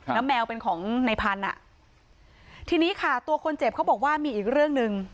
แล้วแมวเป็นของในพันธุ์อ่ะทีนี้ค่ะตัวคนเจ็บเขาบอกว่ามีอีกเรื่องหนึ่ง